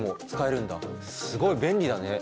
すごい便利だね。